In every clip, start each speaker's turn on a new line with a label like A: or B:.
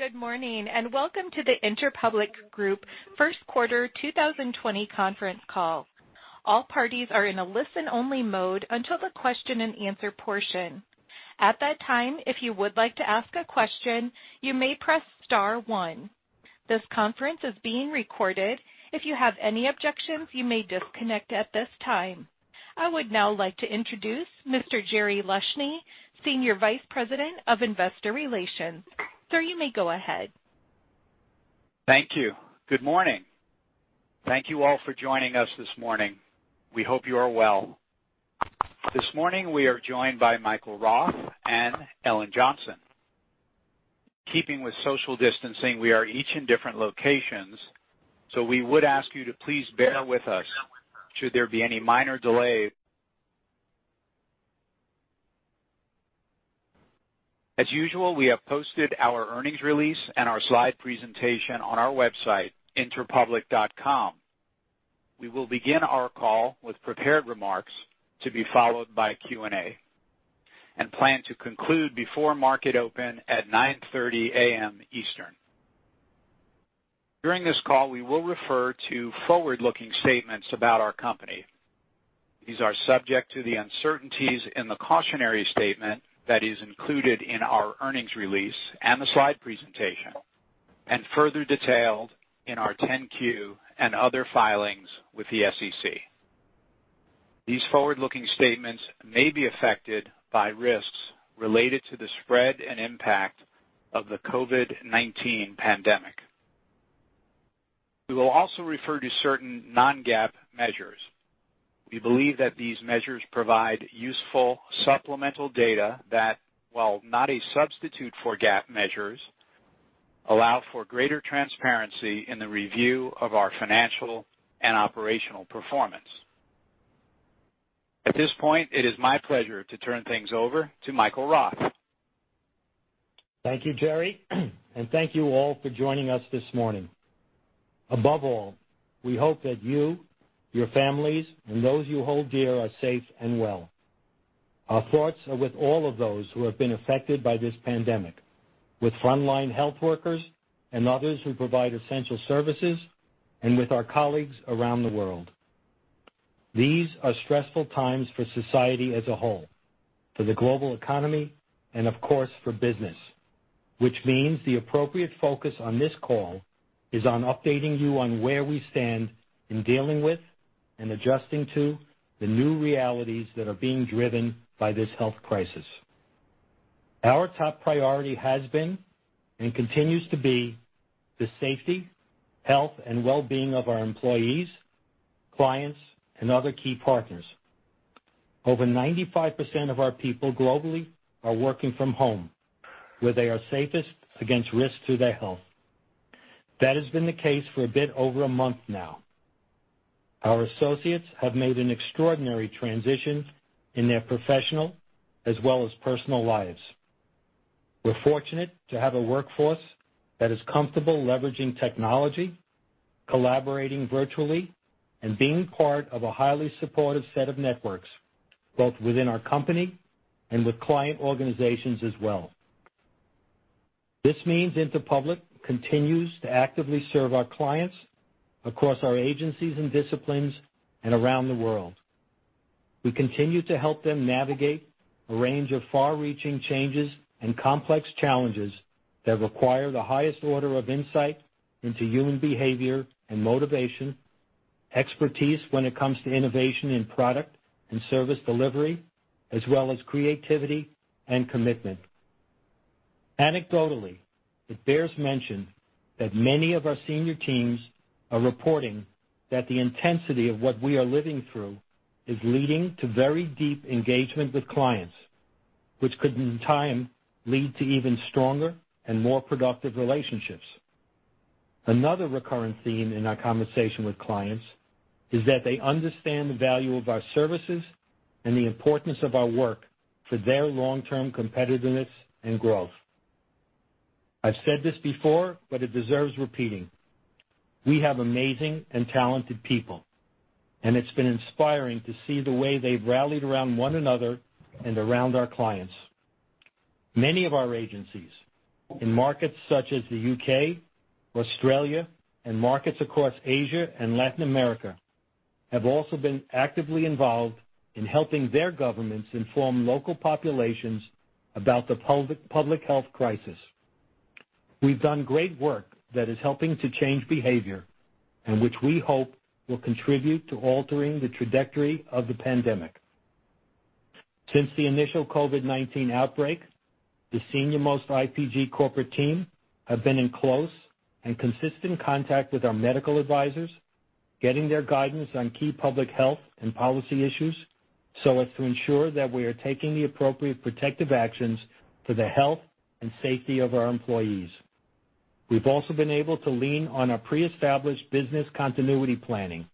A: Good morning and welcome to the Interpublic Group First Quarter 2020 conference call. All parties are in a listen-only mode until the question-and-answer portion. At that time, if you would like to ask a question, you may press star one. This conference is being recorded. If you have any objections, you may disconnect at this time. I would now like to introduce Mr. Jerry Leshne, Senior Vice President of Investor Relations. Sir, you may go ahead.
B: Thank you. Good morning. Thank you all for joining us this morning. We hope you are well. This morning, we are joined by Michael Roth and Ellen Johnson. Keeping with social distancing, we are each in different locations, so we would ask you to please bear with us should there be any minor delay. As usual, we have posted our earnings release and our slide presentation on our website, interpublic.com. We will begin our call with prepared remarks to be followed by Q&A and plan to conclude before market open at 9:30 A.M. Eastern. During this call, we will refer to forward-looking statements about our company. These are subject to the uncertainties in the cautionary statement that is included in our earnings release and the slide presentation and further detailed in our 10-Q and other filings with the SEC. These forward-looking statements may be affected by risks related to the spread and impact of the COVID-19 pandemic. We will also refer to certain non-GAAP measures. We believe that these measures provide useful supplemental data that, while not a substitute for GAAP measures, allow for greater transparency in the review of our financial and operational performance. At this point, it is my pleasure to turn things over to Michael Roth.
C: Thank you, Jerry, and thank you all for joining us this morning. Above all, we hope that you, your families, and those you hold dear are safe and well. Our thoughts are with all of those who have been affected by this pandemic, with frontline health workers and others who provide essential services, and with our colleagues around the world. These are stressful times for society as a whole, for the global economy, and of course, for business, which means the appropriate focus on this call is on updating you on where we stand in dealing with and adjusting to the new realities that are being driven by this health crisis. Our top priority has been and continues to be the safety, health, and well-being of our employees, clients, and other key partners. Over 95% of our people globally are working from home, where they are safest against risks to their health. That has been the case for a bit over a month now. Our associates have made an extraordinary transition in their professional as well as personal lives. We're fortunate to have a workforce that is comfortable leveraging technology, collaborating virtually, and being part of a highly supportive set of networks, both within our company and with client organizations as well. This means Interpublic continues to actively serve our clients across our agencies and disciplines and around the world. We continue to help them navigate a range of far-reaching changes and complex challenges that require the highest order of insight into human behavior and motivation, expertise when it comes to innovation in product and service delivery, as well as creativity and commitment. Anecdotally, it bears mention that many of our senior teams are reporting that the intensity of what we are living through is leading to very deep engagement with clients, which could, in time, lead to even stronger and more productive relationships. Another recurring theme in our conversation with clients is that they understand the value of our services and the importance of our work for their long-term competitiveness and growth. I've said this before, but it deserves repeating. We have amazing and talented people, and it's been inspiring to see the way they've rallied around one another and around our clients. Many of our agencies in markets such as the UK, Australia, and markets across Asia and Latin America have also been actively involved in helping their governments inform local populations about the public health crisis. We've done great work that is helping to change behavior and which we hope will contribute to altering the trajectory of the pandemic. Since the initial COVID-19 outbreak, the senior-most IPG corporate team have been in close and consistent contact with our medical advisors, getting their guidance on key public health and policy issues so as to ensure that we are taking the appropriate protective actions for the health and safety of our employees. We've also been able to lean on our pre-established business continuity planning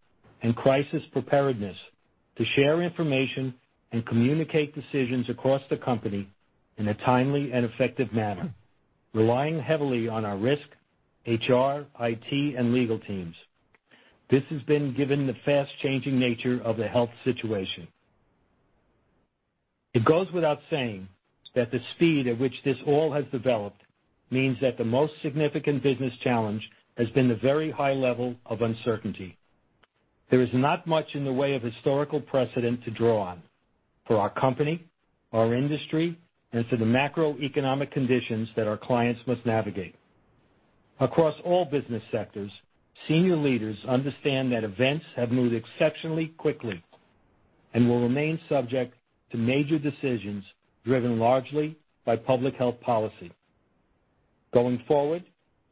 C: and crisis preparedness to share information and communicate decisions across the company in a timely and effective manner, relying heavily on our risk, HR, IT, and legal teams. This has been given the fast-changing nature of the health situation. It goes without saying that the speed at which this all has developed means that the most significant business challenge has been the very high level of uncertainty. There is not much in the way of historical precedent to draw on for our company, our industry, and for the macroeconomic conditions that our clients must navigate. Across all business sectors, senior leaders understand that events have moved exceptionally quickly and will remain subject to major decisions driven largely by public health policy. Going forward,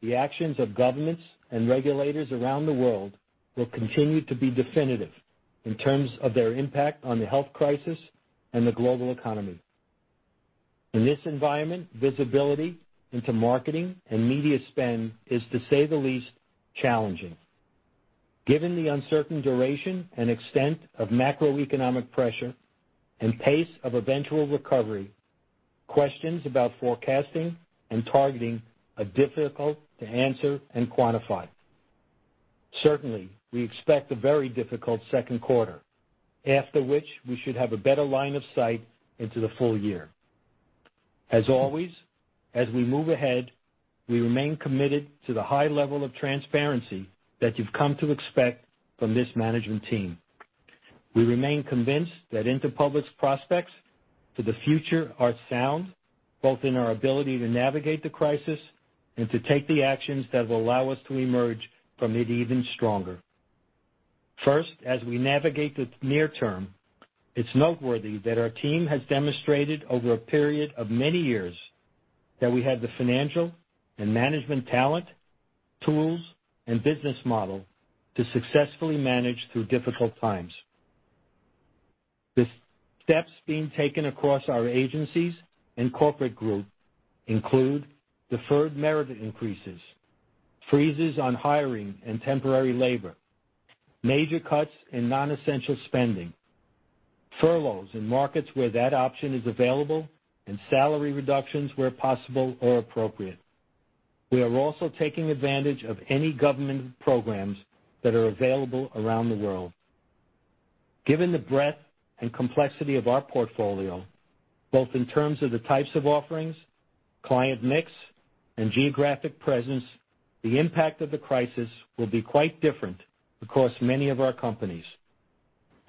C: the actions of governments and regulators around the world will continue to be definitive in terms of their impact on the health crisis and the global economy. In this environment, visibility into marketing and media spend is, to say the least, challenging. Given the uncertain duration and extent of macroeconomic pressure and pace of eventual recovery, questions about forecasting and targeting are difficult to answer and quantify. Certainly, we expect a very difficult second quarter, after which we should have a better line of sight into the full year. As always, as we move ahead, we remain committed to the high level of transparency that you've come to expect from this management team. We remain convinced that Interpublic's prospects for the future are sound, both in our ability to navigate the crisis and to take the actions that will allow us to emerge from it even stronger. First, as we navigate the near term, it's noteworthy that our team has demonstrated over a period of many years that we have the financial and management talent, tools, and business model to successfully manage through difficult times. The steps being taken across our agencies and corporate group include deferred merit increases, freezes on hiring and temporary labor, major cuts in non-essential spending, furloughs in markets where that option is available, and salary reductions where possible or appropriate. We are also taking advantage of any government programs that are available around the world. Given the breadth and complexity of our portfolio, both in terms of the types of offerings, client mix, and geographic presence, the impact of the crisis will be quite different across many of our companies.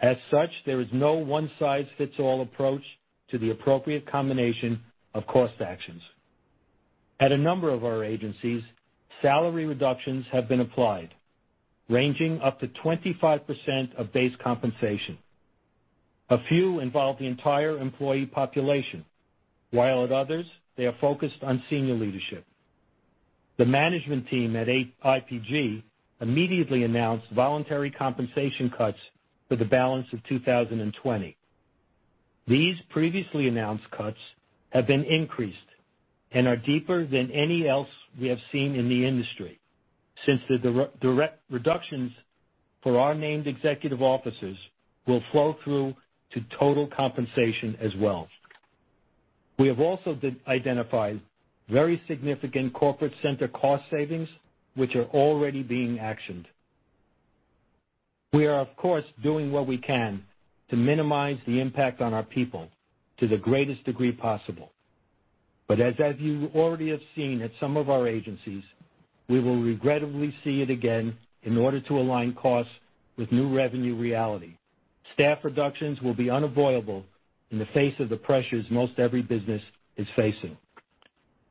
C: As such, there is no one-size-fits-all approach to the appropriate combination of cost actions. At a number of our agencies, salary reductions have been applied, ranging up to 25% of base compensation. A few involve the entire employee population, while at others, they are focused on senior leadership. The management team at IPG immediately announced voluntary compensation cuts for the balance of 2020. These previously announced cuts have been increased and are deeper than any other we have seen in the industry since the direct reductions for our named executive officers will flow through to total compensation as well. We have also identified very significant corporate center cost savings, which are already being actioned. We are, of course, doing what we can to minimize the impact on our people to the greatest degree possible, but as you already have seen at some of our agencies, we will regrettably see it again in order to align costs with new revenue reality. Staff reductions will be unavoidable in the face of the pressures most every business is facing.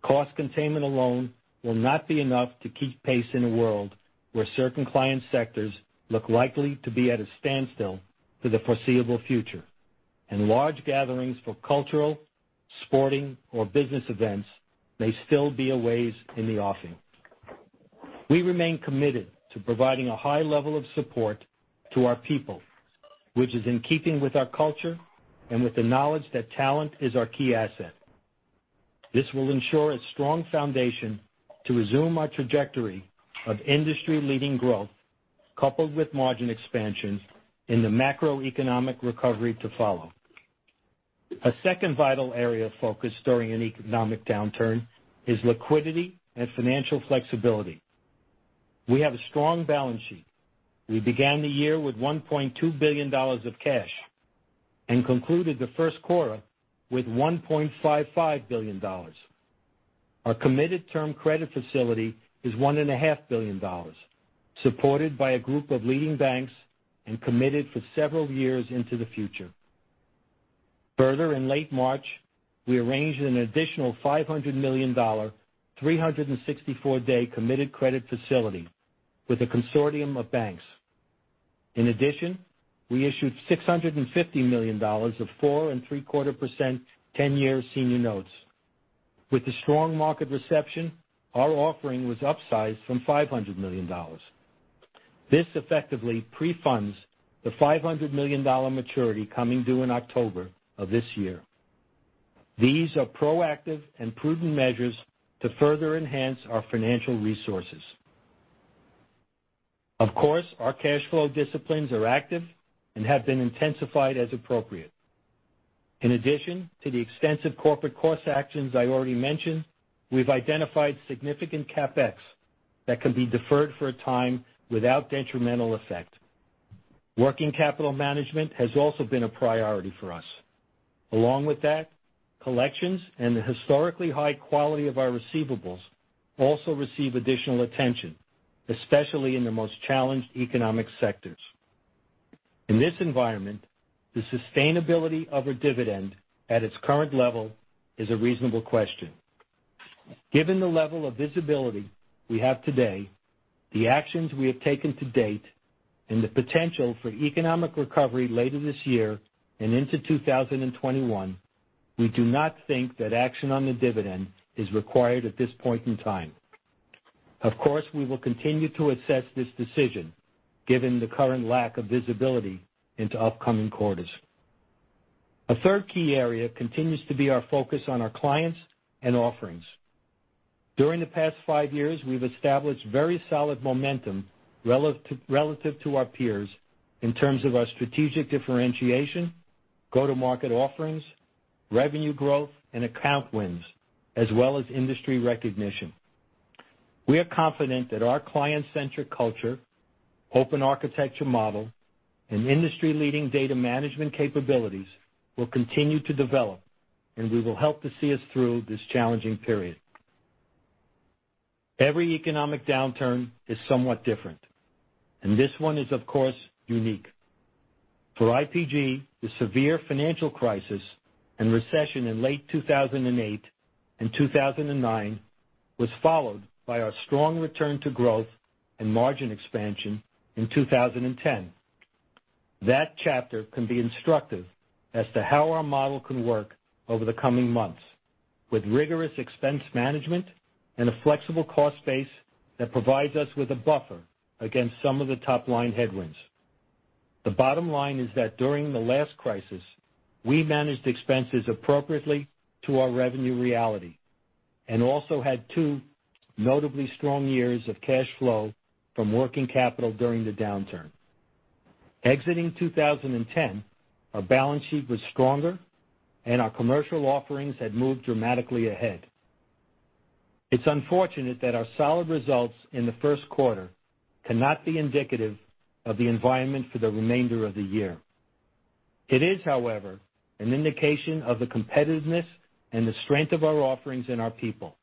C: Cost containment alone will not be enough to keep pace in a world where certain client sectors look likely to be at a standstill for the foreseeable future, and large gatherings for cultural, sporting, or business events may still be a ways in the offing. We remain committed to providing a high level of support to our people, which is in keeping with our culture and with the knowledge that talent is our key asset. This will ensure a strong foundation to resume our trajectory of industry-leading growth, coupled with margin expansions in the macroeconomic recovery to follow. A second vital area of focus during an economic downturn is liquidity and financial flexibility. We have a strong balance sheet. We began the year with $1.2 billion of cash and concluded the first quarter with $1.55 billion. Our committed term credit facility is $1.5 billion, supported by a group of leading banks and committed for several years into the future. Further, in late March, we arranged an additional $500 million 364-day committed credit facility with a consortium of banks. In addition, we issued $650 million of 4 and 3/4% 10-year senior notes. With the strong market reception, our offering was upsized from $500 million. This effectively prefunds the $500 million maturity coming due in October of this year. These are proactive and prudent measures to further enhance our financial resources. Of course, our cash flow disciplines are active and have been intensified as appropriate. In addition to the extensive corporate cost actions I already mentioned, we've identified significant CapEx that can be deferred for a time without detrimental effect. Working capital management has also been a priority for us. Along with that, collections and the historically high quality of our receivables also receive additional attention, especially in the most challenged economic sectors. In this environment, the sustainability of a dividend at its current level is a reasonable question. Given the level of visibility we have today, the actions we have taken to date, and the potential for economic recovery later this year and into 2021, we do not think that action on the dividend is required at this point in time. Of course, we will continue to assess this decision given the current lack of visibility into upcoming quarters. A third key area continues to be our focus on our clients and offerings. During the past five years, we've established very solid momentum relative to our peers in terms of our strategic differentiation, go-to-market offerings, revenue growth, and account wins, as well as industry recognition. We are confident that our client-centric culture, open architecture model, and industry-leading data management capabilities will continue to develop, and we will help to see us through this challenging period. Every economic downturn is somewhat different, and this one is, of course, unique. For IPG, the severe financial crisis and recession in late 2008 and 2009 was followed by our strong return to growth and margin expansion in 2010. That chapter can be instructive as to how our model can work over the coming months with rigorous expense management and a flexible cost base that provides us with a buffer against some of the top-line headwinds. The bottom line is that during the last crisis, we managed expenses appropriately to our revenue reality and also had two notably strong years of cash flow from working capital during the downturn. Exiting 2010, our balance sheet was stronger, and our commercial offerings had moved dramatically ahead. It's unfortunate that our solid results in the first quarter cannot be indicative of the environment for the remainder of the year. It is, however, an indication of the competitiveness and the strength of our offerings and our people.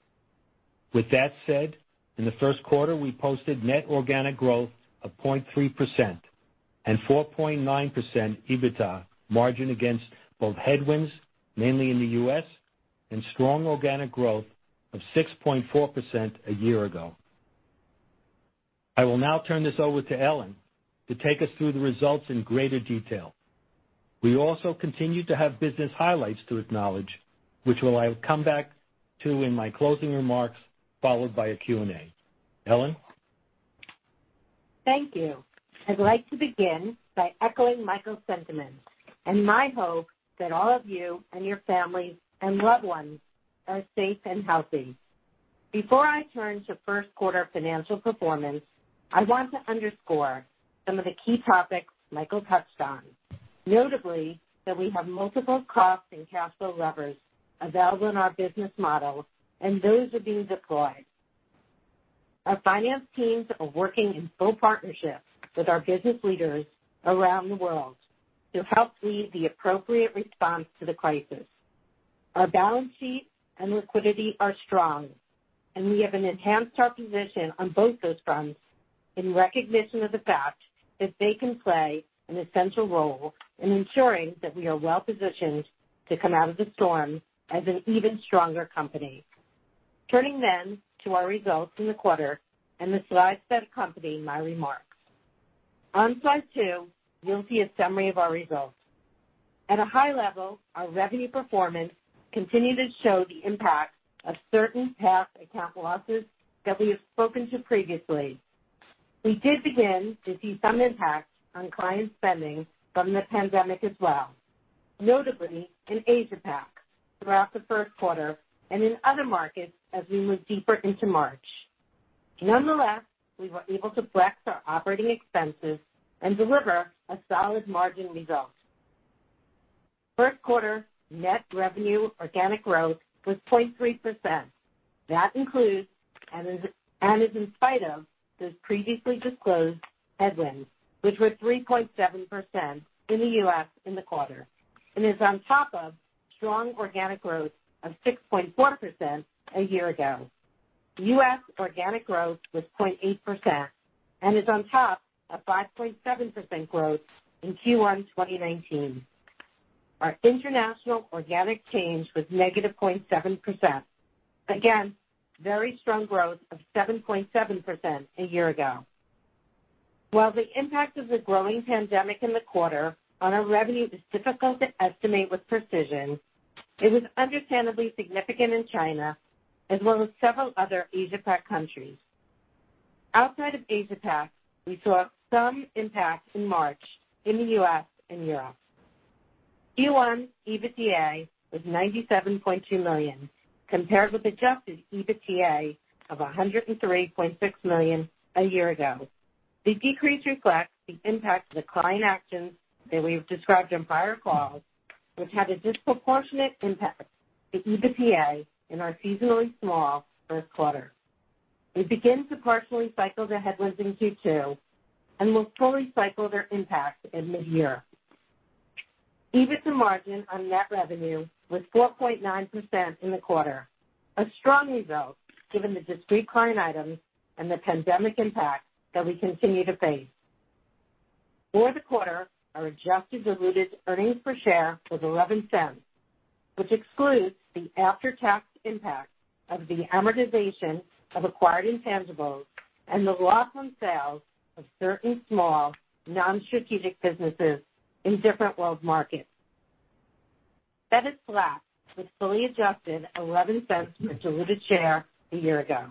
C: With that said, in the first quarter, we posted net organic growth of 0.3% and 4.9% EBITDA margin against both headwinds, mainly in the U.S., and strong organic growth of 6.4% a year ago. I will now turn this over to Ellen to take us through the results in greater detail. We also continue to have business highlights to acknowledge, which I will come back to in my closing remarks followed by a Q&A. Ellen?
D: Thank you. I'd like to begin by echoing Michael's sentiments and my hope that all of you and your family and loved ones are safe and healthy. Before I turn to first quarter financial performance, I want to underscore some of the key topics Michael touched on, notably that we have multiple cost and cash flow levers available in our business model, and those are being deployed. Our finance teams are working in full partnership with our business leaders around the world to help lead the appropriate response to the crisis. Our balance sheet and liquidity are strong, and we have enhanced our position on both those fronts in recognition of the fact that they can play an essential role in ensuring that we are well-positioned to come out of the storm as an even stronger company. Turning then to our results in the quarter and the slides that accompany my remarks. On slide two, you'll see a summary of our results. At a high level, our revenue performance continued to show the impact of certain past account losses that we have spoken to previously. We did begin to see some impact on client spending from the pandemic as well, notably in Asia-Pac throughout the first quarter and in other markets as we moved deeper into March. Nonetheless, we were able to flex our operating expenses and deliver a solid margin result. First quarter net revenue organic growth was 0.3%. That includes and is in spite of the previously disclosed headwinds, which were 3.7% in the U.S. in the quarter, and is on top of strong organic growth of 6.4% a year ago. U.S. organic growth was 0.8% and is on top of 5.7% growth in Q1 2019. Our international organic change was negative 0.7%. Again, very strong growth of 7.7% a year ago. While the impact of the growing pandemic in the quarter on our revenue is difficult to estimate with precision, it was understandably significant in China as well as several other Asia-Pac countries. Outside of Asia-Pac, we saw some impact in March in the U.S. and Europe. Q1 EBITDA was $97.2 million compared with adjusted EBITDA of $103.6 million a year ago. The decrease reflects the impact of the client actions that we've described in prior calls, which had a disproportionate impact on the EBITDA in our seasonally small first quarter. We begin to partially cycle the headwinds in Q2 and will fully cycle their impact in mid-year. EBITDA margin on net revenue was 4.9% in the quarter, a strong result given the discrete client items and the pandemic impact that we continue to face. For the quarter, our adjusted diluted earnings per share was $0.11, which excludes the after-tax impact of the amortization of acquired intangibles and the loss on sales of certain small non-strategic businesses in different world markets. That is flat with fully adjusted $0.11 per diluted share a year ago.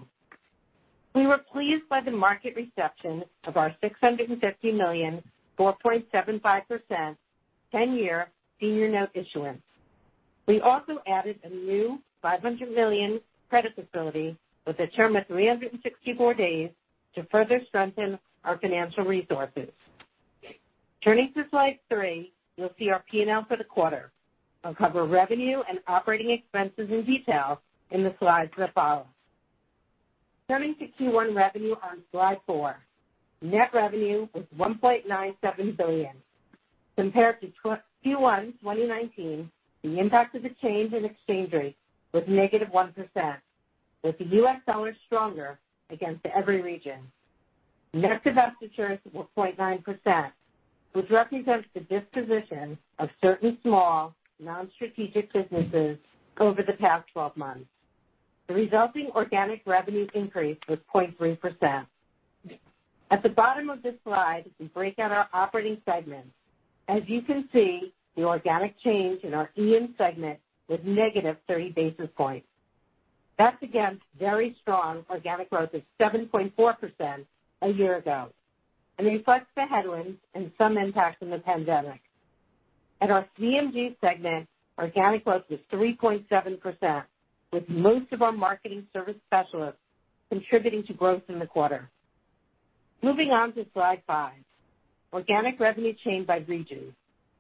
D: We were pleased by the market reception of our $650 million, 4.75% 10-year senior note issuance. We also added a new $500 million credit facility with a term of 364 days to further strengthen our financial resources. Turning to slide three, you'll see our P&L for the quarter. I'll cover revenue and operating expenses in detail in the slides that follow. Turning to Q1 revenue on slide four, net revenue was $1.97 billion. Compared to Q1 2019, the impact of the change in exchange rate was negative 1%, with the U.S. dollar stronger against every region. Net divestitures were 0.9%, which represents the disposition of certain small non-strategic businesses over the past 12 months. The resulting organic revenue increase was 0.3%. At the bottom of this slide, we break out our operating segments. As you can see, the organic change in our E& segment was negative 30 basis points. That's against very strong organic growth of 7.4% a year ago, and reflects the headwinds and some impact from the pandemic. At our CMG segment, organic growth was 3.7%, with most of our marketing service specialists contributing to growth in the quarter. Moving on to slide five, organic revenue change by region.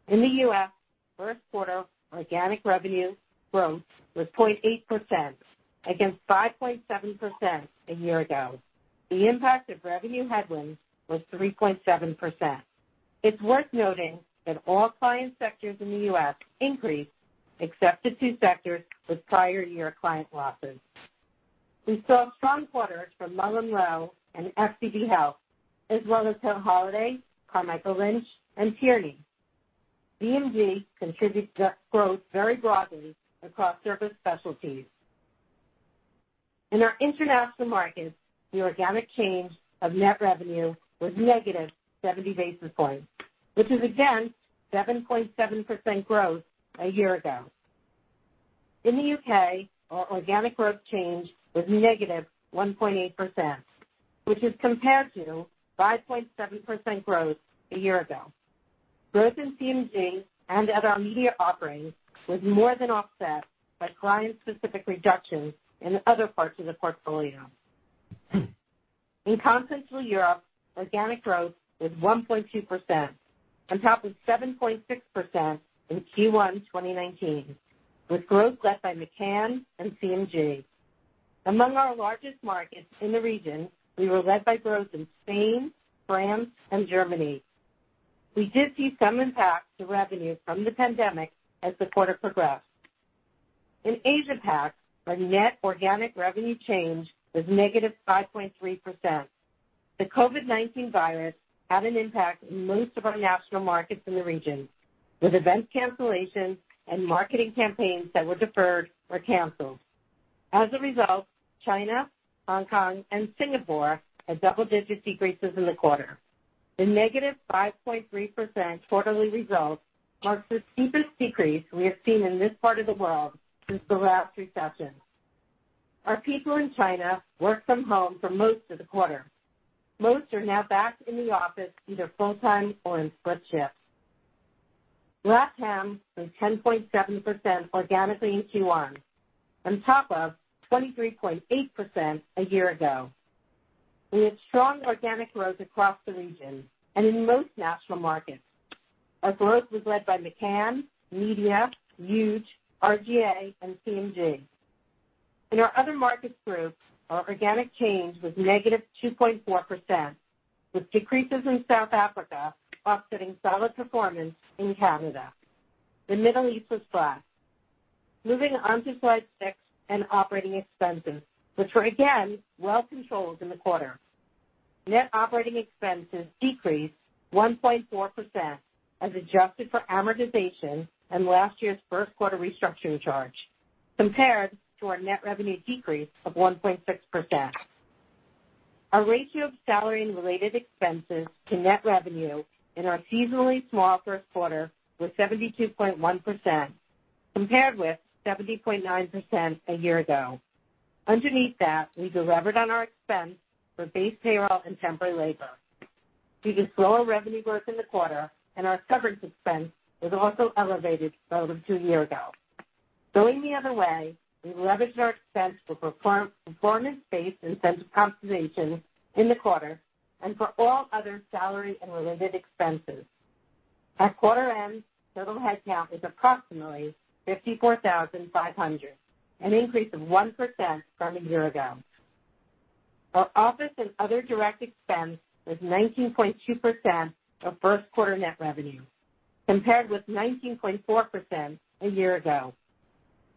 D: In the U.S., first quarter organic revenue growth was 0.8% against 5.7% a year ago. The impact of revenue headwinds was 3.7%. It's worth noting that all client sectors in the U.S. increased except the two sectors with prior year client losses. We saw strong quarters for Lululemon and FCB Health, as well as Hill Holliday, Carmichael Lynch, and Tierney. CMG contributed to growth very broadly across service specialties. In our international markets, the organic change of net revenue was negative 70 basis points, which is against 7.7% growth a year ago. In the UK, our organic growth change was negative 1.8%, which is compared to 5.7% growth a year ago. Growth in CMG and at our media offerings was more than offset by client-specific reductions in other parts of the portfolio. In continental Europe, organic growth was 1.2%, on top of 7.6% in Q1 2019, with growth led by McCann and CMG. Among our largest markets in the region, we were led by growth in Spain, France, and Germany. We did see some impact to revenue from the pandemic as the quarter progressed. In Asia-Pac, our net organic revenue change was negative 5.3%. The COVID-19 virus had an impact on most of our national markets in the region, with event cancellations and marketing campaigns that were deferred or canceled. As a result, China, Hong Kong, and Singapore had double-digit decreases in the quarter. The negative 5.3% quarterly result marks the steepest decrease we have seen in this part of the world since the last recession. Our people in China worked from home for most of the quarter. Most are now back in the office, either full-time or in split shifts. Last time, it was 10.7% organically in Q1, on top of 23.8% a year ago. We had strong organic growth across the region and in most national markets. Our growth was led by McCann, Media, Huge, RGA, and CMG. In our other markets group, our organic change was negative 2.4%, with decreases in South Africa offsetting solid performance in Canada. The Middle East was flat. Moving on to slide six and operating expenses, which were again well-controlled in the quarter. Net operating expenses decreased 1.4% as adjusted for amortization and last year's first quarter restructuring charge, compared to our net revenue decrease of 1.6%. Our ratio of salary and related expenses to net revenue in our seasonally small first quarter was 72.1%, compared with 70.9% a year ago. Underneath that, we delivered on our expense for base payroll and temporary labor. We did slower revenue growth in the quarter, and our severance expense was also elevated relative to a year ago. Going the other way, we leveraged our expense for performance-based incentive compensation in the quarter and for all other salary and related expenses. At quarter end, total headcount was approximately 54,500, an increase of 1% from a year ago. Our office and other direct expense was 19.2% of first quarter net revenue, compared with 19.4% a year ago.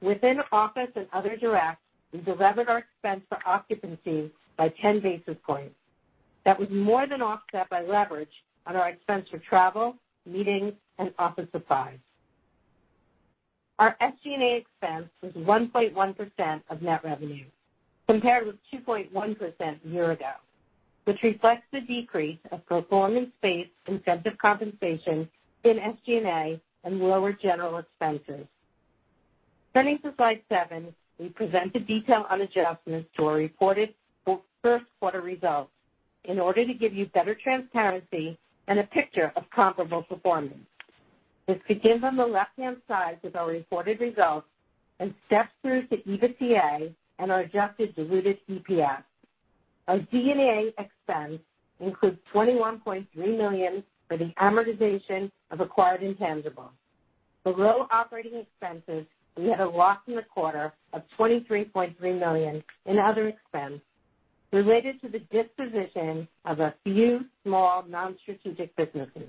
D: Within office and other direct, we delivered our expense for occupancy by 10 basis points. That was more than offset by leverage on our expense for travel, meetings, and office supplies. Our SG&A expense was 1.1% of net revenue, compared with 2.1% a year ago, which reflects the decrease of performance-based incentive compensation in SG&A and lower general expenses. Turning to slide seven, we present a detailed adjustment to our reported first quarter results in order to give you better transparency and a picture of comparable performance. This begins on the left-hand side with our reported results and steps through to EBITDA and our adjusted diluted EPS. Our D&A expense includes $21.3 million for the amortization of acquired intangibles. Below operating expenses, we had a loss in the quarter of $23.3 million in other expense related to the disposition of a few small non-strategic businesses.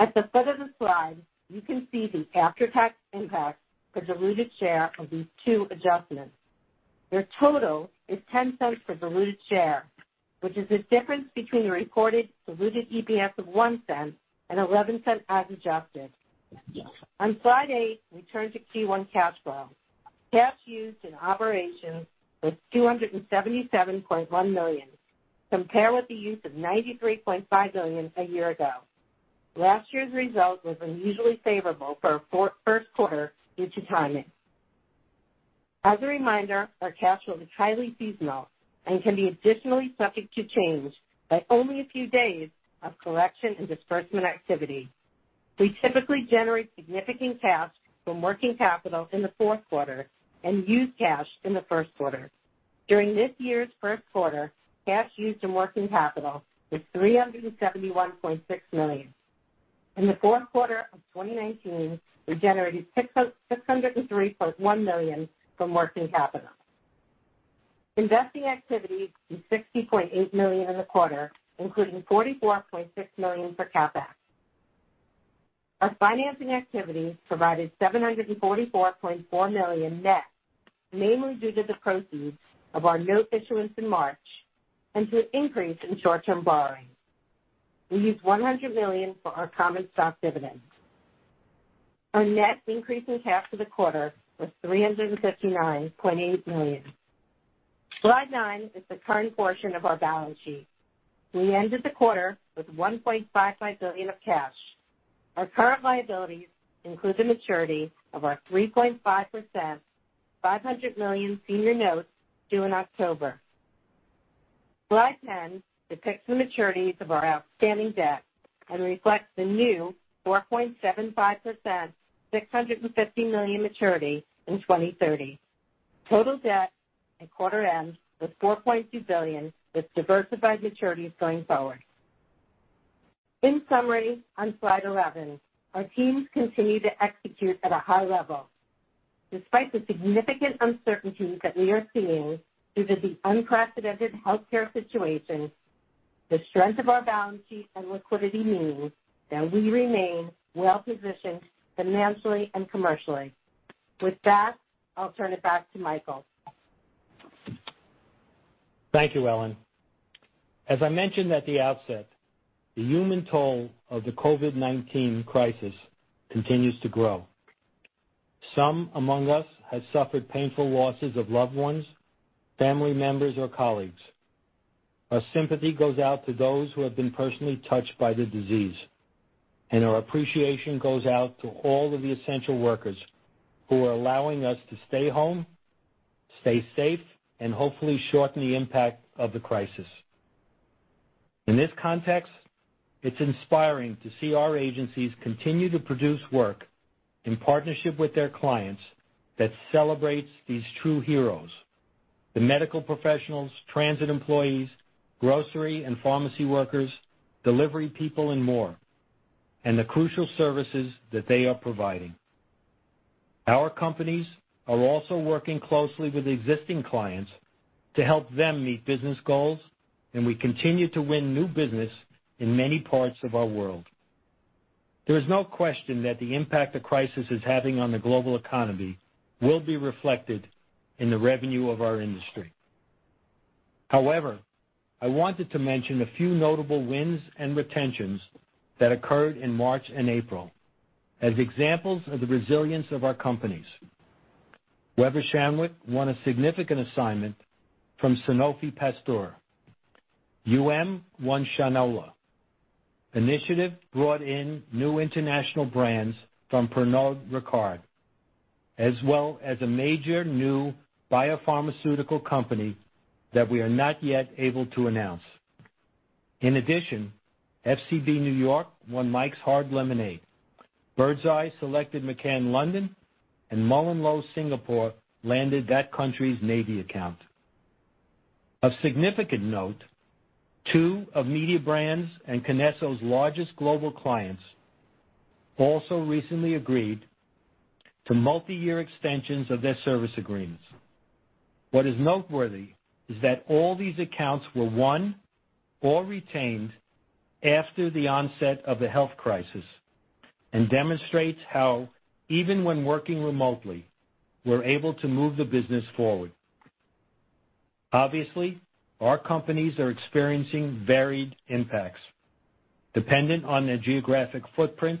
D: At the foot of the slide, you can see the after-tax impact per diluted share of these two adjustments. Their total is $0.10 per diluted share, which is the difference between the reported diluted EPS of $0.01 and $0.11 as adjusted. On slide eight, we turn to Q1 cash flow. Cash used in operations was $277.1 million, compared with the use of $93.5 million a year ago. Last year's result was unusually favorable for our first quarter due to timing. As a reminder, our cash flow is highly seasonal and can be additionally subject to change by only a few days of collection and disbursement activity. We typically generate significant cash from working capital in the fourth quarter and use cash in the first quarter. During this year's first quarter, cash used in working capital was $371.6 million. In the fourth quarter of 2019, we generated $603.1 million from working capital. Investing activity was $60.8 million in the quarter, including $44.6 million for CapEx. Our financing activity provided $744.4 million net, mainly due to the proceeds of our note issuance in March and to an increase in short-term borrowing. We used $100 million for our common stock dividend. Our net increase in cash for the quarter was $359.8 million. Slide nine is the current portion of our balance sheet. We ended the quarter with $1.55 billion of cash. Our current liabilities include the maturity of our 3.5%, $500 million senior notes due in October. Slide 10 depicts the maturities of our outstanding debt and reflects the new 4.75%, $650 million maturity in 2030. Total debt at quarter end was $4.2 billion, with diversified maturities going forward. In summary, on slide 11, our teams continue to execute at a high level. Despite the significant uncertainties that we are seeing due to the unprecedented healthcare situation, the strength of our balance sheet and liquidity means that we remain well-positioned financially and commercially. With that, I'll turn it back to Michael.
C: Thank you, Ellen. As I mentioned at the outset, the human toll of the COVID-19 crisis continues to grow. Some among us have suffered painful losses of loved ones, family members, or colleagues. Our sympathy goes out to those who have been personally touched by the disease, and our appreciation goes out to all of the essential workers who are allowing us to stay home, stay safe, and hopefully shorten the impact of the crisis. In this context, it's inspiring to see our agencies continue to produce work in partnership with their clients that celebrates these true heroes: the medical professionals, transit employees, grocery and pharmacy workers, delivery people, and more, and the crucial services that they are providing. Our companies are also working closely with existing clients to help them meet business goals, and we continue to win new business in many parts of our world. There is no question that the impact the crisis is having on the global economy will be reflected in the revenue of our industry. However, I wanted to mention a few notable wins and retentions that occurred in March and April as examples of the resilience of our companies. Weber Shandwick won a significant assignment from Sanofi Pasteur and won Shinola. Initiative brought in new international brands from Pernod Ricard, as well as a major new biopharmaceutical company that we are not yet able to announce. In addition, FCB New York won Mike's Hard Lemonade. Birds Eye selected McCann London, and MullenLowe Singapore landed that country's Navy account. Of significant note, two of Mediabrands and Kinesso's largest global clients also recently agreed to multi-year extensions of their service agreements. What is noteworthy is that all these accounts were won or retained after the onset of the health crisis and demonstrates how, even when working remotely, we're able to move the business forward. Obviously, our companies are experiencing varied impacts dependent on their geographic footprint,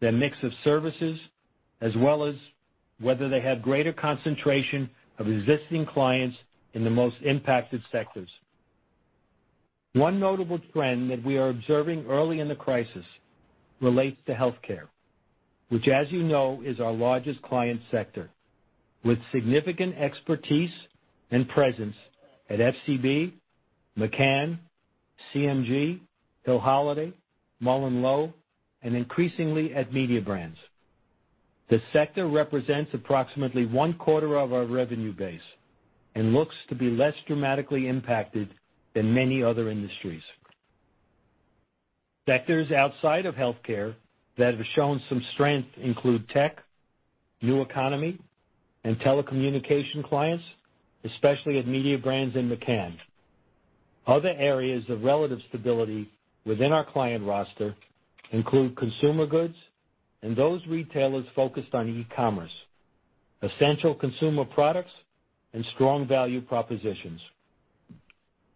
C: their mix of services, as well as whether they have greater concentration of existing clients in the most impacted sectors. One notable trend that we are observing early in the crisis relates to healthcare, which, as you know, is our largest client sector, with significant expertise and presence at FCB, McCann, CMG, Hill Holliday, MullenLowe, and increasingly at Mediabrands. The sector represents approximately one quarter of our revenue base and looks to be less dramatically impacted than many other industries. Sectors outside of healthcare that have shown some strength include tech, new economy, and telecommunication clients, especially at Mediabrands and McCann. Other areas of relative stability within our client roster include consumer goods and those retailers focused on e-commerce, essential consumer products, and strong value propositions.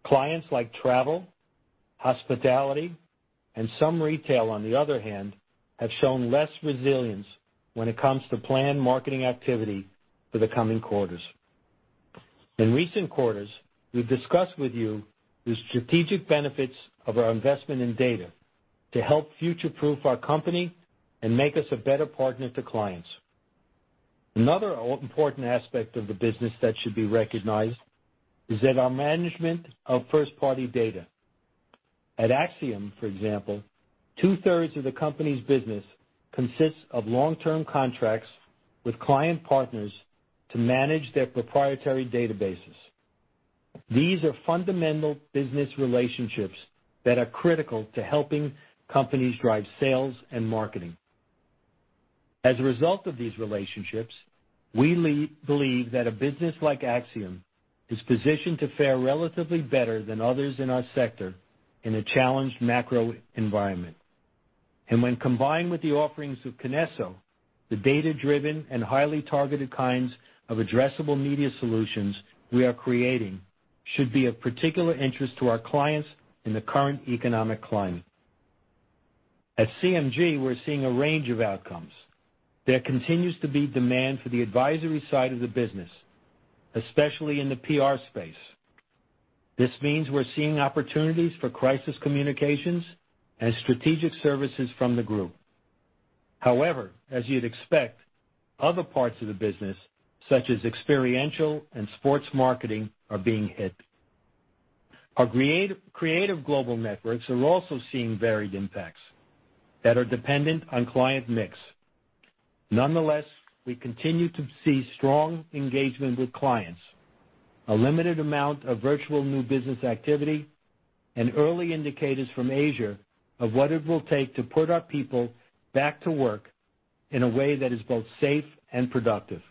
C: Clients like travel, hospitality, and some retail, on the other hand, have shown less resilience when it comes to planned marketing activity for the coming quarters. In recent quarters, we've discussed with you the strategic benefits of our investment in data to help future-proof our company and make us a better partner to clients. Another important aspect of the business that should be recognized is that our management of first-party data. At Acxiom, for example, two-thirds of the company's business consists of long-term contracts with client partners to manage their proprietary databases. These are fundamental business relationships that are critical to helping companies drive sales and marketing. As a result of these relationships, we believe that a business like Acxiom is positioned to fare relatively better than others in our sector in a challenged macro environment. And when combined with the offerings of Kinesso, the data-driven and highly targeted kinds of addressable media solutions we are creating should be of particular interest to our clients in the current economic climate. At CMG, we're seeing a range of outcomes. There continues to be demand for the advisory side of the business, especially in the PR space. This means we're seeing opportunities for crisis communications and strategic services from the group. However, as you'd expect, other parts of the business, such as experiential and sports marketing, are being hit. Our creative global networks are also seeing varied impacts that are dependent on client mix. Nonetheless, we continue to see strong engagement with clients, a limited amount of virtual new business activity, and early indicators from Asia of what it will take to put our people back to work in a way that is both safe and productive.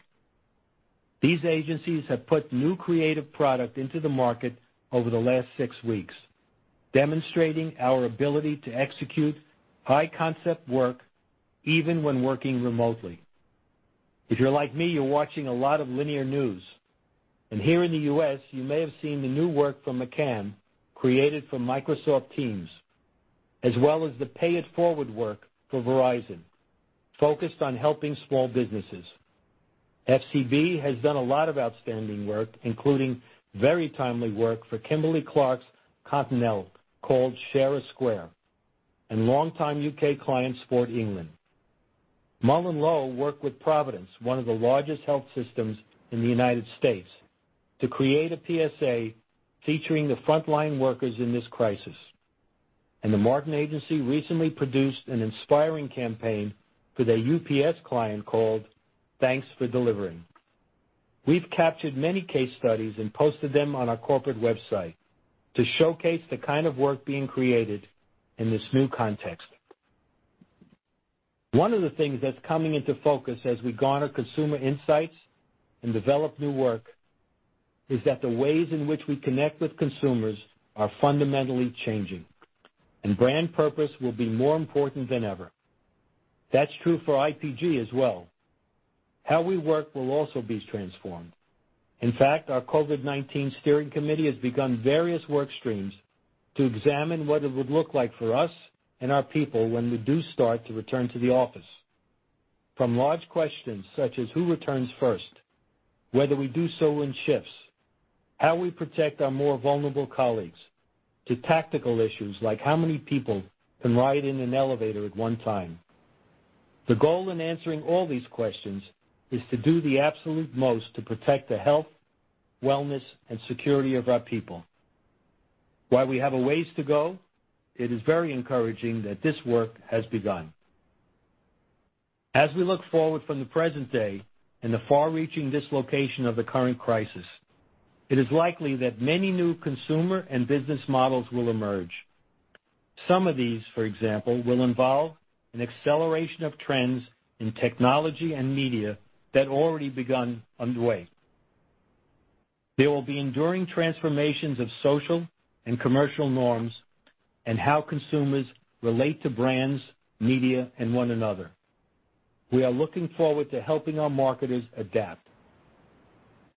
C: These agencies have put new creative product into the market over the last six weeks, demonstrating our ability to execute high-concept work even when working remotely. If you're like me, you're watching a lot of linear news. And here in the U.S., you may have seen the new work from McCann created for Microsoft Teams, as well as the Pay It Forward work for Verizon focused on helping small businesses. FCB has done a lot of outstanding work, including very timely work for Kimberly-Clark's Cottonelle called Share a Square and longtime U.K. client Sport England. MullenLowe worked with Providence, one of the largest health systems in the United States, to create a PSA featuring the frontline workers in this crisis, and The Martin Agency recently produced an inspiring campaign for their UPS client called Thanks for Delivering. We've captured many case studies and posted them on our corporate website to showcase the kind of work being created in this new context. One of the things that's coming into focus as we garner consumer insights and develop new work is that the ways in which we connect with consumers are fundamentally changing, and brand purpose will be more important than ever. That's true for IPG as well. How we work will also be transformed. In fact, our COVID-19 steering committee has begun various work streams to examine what it would look like for us and our people when we do start to return to the office. From large questions such as who returns first, whether we do so in shifts, how we protect our more vulnerable colleagues, to tactical issues like how many people can ride in an elevator at one time. The goal in answering all these questions is to do the absolute most to protect the health, wellness, and security of our people. While we have a ways to go, it is very encouraging that this work has begun. As we look forward from the present day and the far-reaching dislocation of the current crisis, it is likely that many new consumer and business models will emerge. Some of these, for example, will involve an acceleration of trends in technology and media that have already been underway. There will be enduring transformations of social and commercial norms and how consumers relate to brands, media, and one another. We are looking forward to helping our marketers adapt.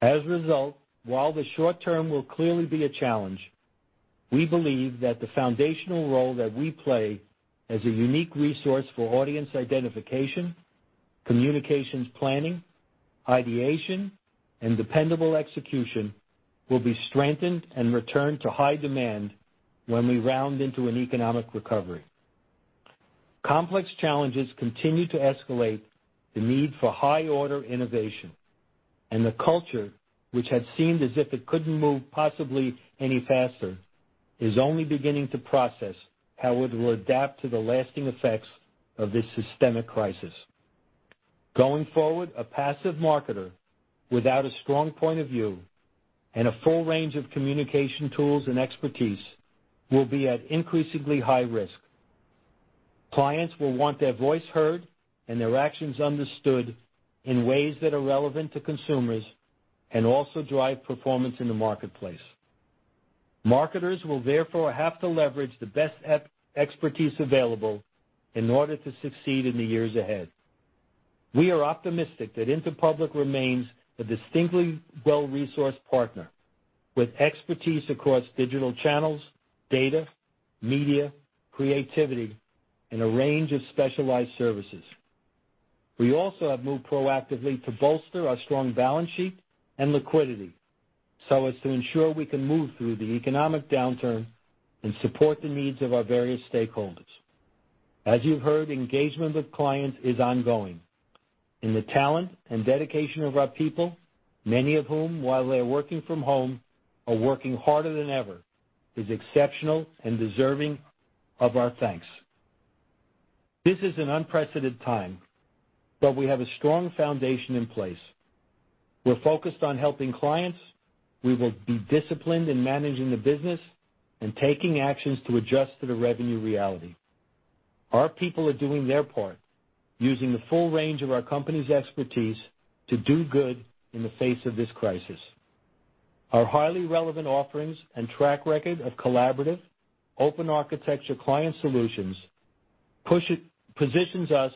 C: As a result, while the short term will clearly be a challenge, we believe that the foundational role that we play as a unique resource for audience identification, communications planning, ideation, and dependable execution will be strengthened and returned to high demand when we round into an economic recovery. Complex challenges continue to escalate the need for high-order innovation, and the culture, which had seemed as if it couldn't possibly move any faster, is only beginning to process how it will adapt to the lasting effects of this systemic crisis.
B: Going forward, a passive marketer without a strong point of view and a full range of communication tools and expertise will be at increasingly high risk. Clients will want their voice heard and their actions understood in ways that are relevant to consumers and also drive performance in the marketplace. Marketers will therefore have to leverage the best expertise available in order to succeed in the years ahead. We are optimistic that Interpublic remains a distinctly well-resourced partner with expertise across digital channels, data, media, creativity, and a range of specialized services. We also have moved proactively to bolster our strong balance sheet and liquidity so as to ensure we can move through the economic downturn and support the needs of our various stakeholders. As you've heard, engagement with clients is ongoing. And the talent and dedication of our people, many of whom, while they're working from home, are working harder than ever, is exceptional and deserving of our thanks. This is an unprecedented time, but we have a strong foundation in place. We're focused on helping clients. We will be disciplined in managing the business and taking actions to adjust to the revenue reality. Our people are doing their part, using the full range of our company's expertise to do good in the face of this crisis. Our highly relevant offerings and track record of collaborative, open-architecture client solutions positions us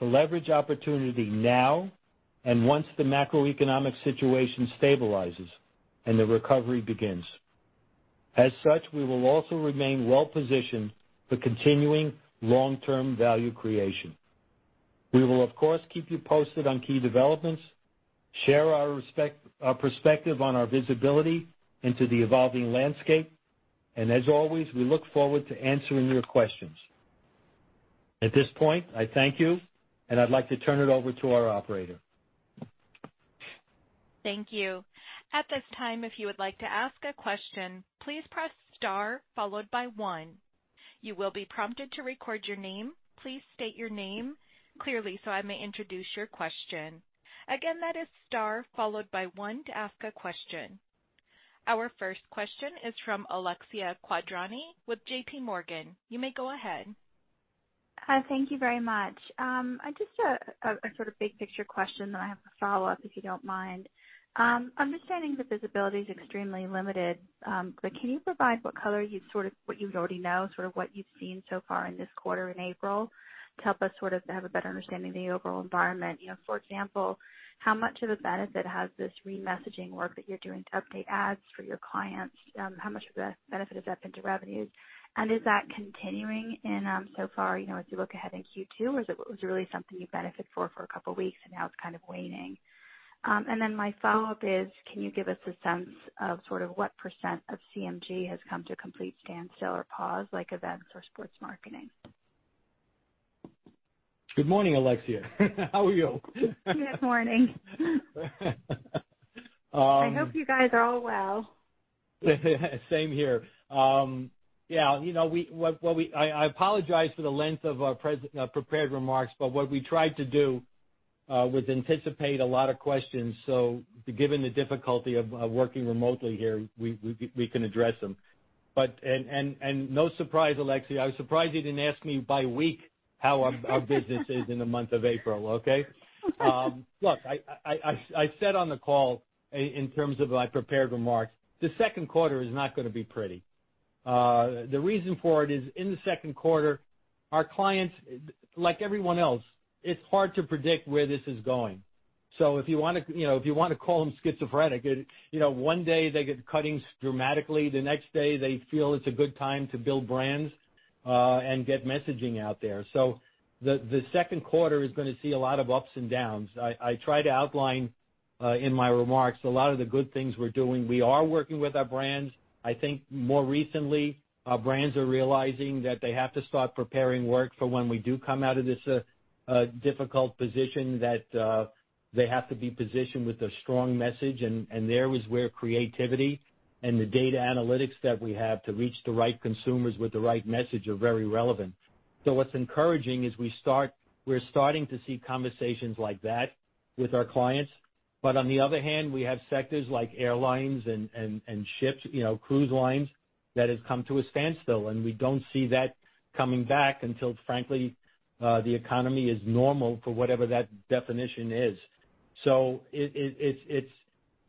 B: to leverage opportunity now and once the macroeconomic situation stabilizes and the recovery begins. As such, we will also remain well-positioned for continuing long-term value creation. We will, of course, keep you posted on key developments, share our perspective on our visibility into the evolving landscape, and as always, we look forward to answering your questions. At this point, I thank you, and I'd like to turn it over to our operator.
A: Thank you. At this time, if you would like to ask a question, please press star followed by one. You will be prompted to record your name. Please state your name clearly so I may introduce your question. Again, that is star followed by one to ask a question. Our first question is from Alexia Quadrani with JPMorgan. You may go ahead.
E: Hi. Thank you very much. Just a sort of big-picture question that I have to follow up, if you don't mind. Understanding the visibility is extremely limited, but can you provide what color you sort of what you already know, sort of what you've seen so far in this quarter in April to help us sort of have a better understanding of the overall environment? For example, how much of a benefit has this re-messaging work that you're doing to update ads for your clients? How much of a benefit has that been to revenues? And is that continuing so far as you look ahead in Q2, or is it really something you benefit for a couple of weeks, and now it's kind of waning? And then my follow-up is, can you give us a sense of sort of what % of CMG has come to a complete standstill or pause, like events or sports marketing?
C: Good morning, Alexia. How are you?
E: Good morning. I hope you guys are all well.
C: Same here. Yeah. I apologize for the length of our prepared remarks, but what we tried to do was anticipate a lot of questions. So given the difficulty of working remotely here, we can address them, and no surprise, Alexia. I was surprised you didn't ask me week by week how our business is in the month of April, okay? Look, I said on the call in terms of my prepared remarks, the second quarter is not going to be pretty. The reason for it is in the second quarter, our clients, like everyone else, it's hard to predict where this is going. So if you want to call them schizophrenic, one day they cut spending dramatically. The next day, they feel it's a good time to build brands and get messaging out there. So the second quarter is going to see a lot of ups and downs. I try to outline in my remarks a lot of the good things we're doing. We are working with our brands. I think more recently, our brands are realizing that they have to start preparing work for when we do come out of this difficult position, that they have to be positioned with a strong message. And there is where creativity and the data analytics that we have to reach the right consumers with the right message are very relevant. So what's encouraging is we're starting to see conversations like that with our clients. But on the other hand, we have sectors like airlines and ships, cruise lines that have come to a standstill. And we don't see that coming back until, frankly, the economy is normal for whatever that definition is. So it's